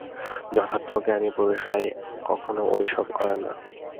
যথার্থ জ্ঞানী পুরুষেরা কখনও ঐ-সব করেন না।